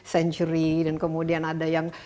senturi dan kemudian ada yang